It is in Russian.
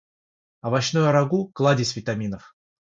Овощное рагу - кладезь витаминов.